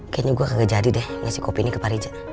kayaknya gue kagak jadi deh ngasih kopi ini ke pak rija